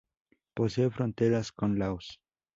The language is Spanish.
Posee fronteras con Laos.